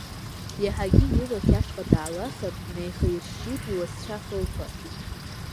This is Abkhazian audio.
Иаҳагьы илахь ашҟа даалахан, инаихаиршьшьит иуасцәа хылԥа.